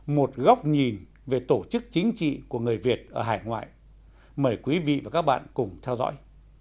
một góc nhìn về tổ chức chính trị của người việt ở hải ngoại mời quý vị và các bạn cùng theo dõi